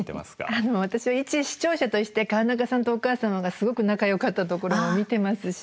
あの私は一視聴者として川中さんとお母様がすごく仲よかったところも見てますし。